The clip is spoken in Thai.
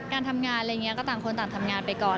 การทำงานอะไรอย่างนี้ก็ต่างคนต่างทำงานไปก่อน